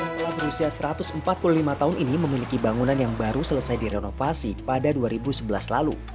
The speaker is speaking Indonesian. sekolah berusia satu ratus empat puluh lima tahun ini memiliki bangunan yang baru selesai direnovasi pada dua ribu sebelas lalu